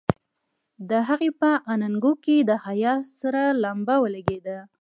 د هغې په اننګو کې د حيا سره لمبه ولګېده.